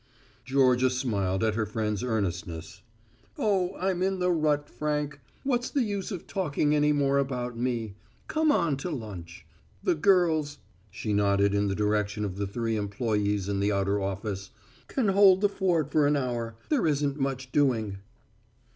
Georgia smiled at her friend's earnestness. "Oh, I'm in the rut, Frank. What's the use of talking any more about me? Come on to lunch. The girls," she nodded in the direction of the three employes in the outer office, "can hold the fort for an hour. There isn't much doing."